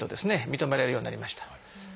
認められるようになりました。